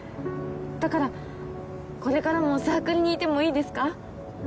だからこれからもサークルにいてもいいですか？